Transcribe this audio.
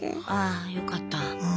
ああよかった。